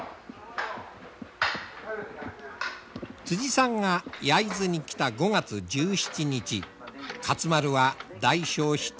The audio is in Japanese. さんが焼津に来た５月１７日勝丸は大消費地